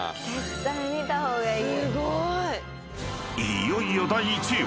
［いよいよ第１位は］